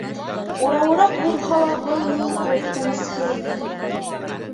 Урауыраҡ булһа ла, был юл ҡурҡынысһыҙ ине.